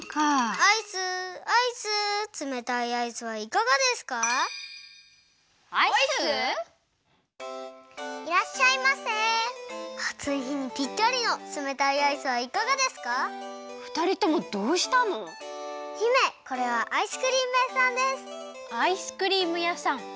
アイスクリーム屋さん。